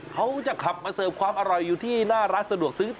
เขาจะขับมาเสิร์ฟความอร่อยอยู่ที่หน้าร้านสะดวกซื้อ